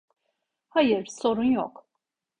Hayır, sorun yok.